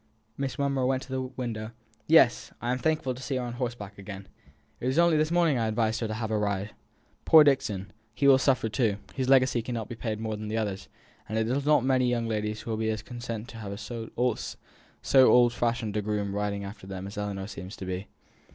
Miss Monro went to the window. "Yes! I am thankful to see her on horseback again. It was only this morning I advised her to have a ride!" "Poor Dixon! he will suffer too; his legacy can no more be paid than the others; and it is not many young ladies who will be as content to have so old fashioned a groom riding after them as Ellinor seems to be."